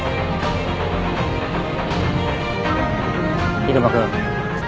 入間君。